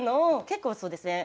結構そうですね